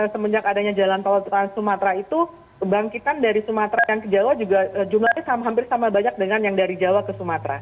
semenjak adanya jalan tol trans sumatera itu kebangkitan dari sumatera dan ke jawa juga jumlahnya hampir sama banyak dengan yang dari jawa ke sumatera